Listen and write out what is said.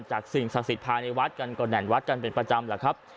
สิ่งศักดิ์สิทธิภายในวัดกันก็แน่นวัดกันเป็นประจำแหละครับ